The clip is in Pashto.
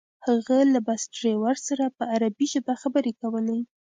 هغه له بس ډریور سره په عربي ژبه خبرې کولې.